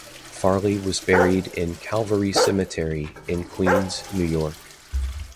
Farley was buried in Calvary Cemetery in Queens, New York.